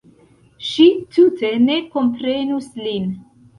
Ŝi tute ne komprenus lin.